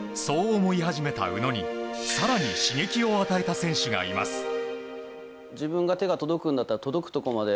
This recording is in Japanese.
そう思い始めた宇野に更に刺激を与えた選手がいます。